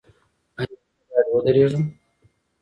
ایا زه باید ودریږم؟